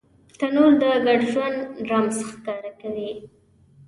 تنور د ګډ ژوند رمز ښکاره کوي